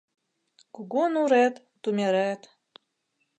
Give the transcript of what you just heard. Кугу нурет — тумерет